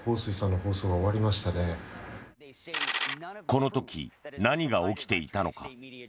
この時、何が起きていたのか。